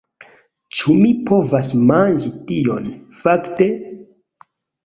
Ĉu mi povas manĝi tion, fakte?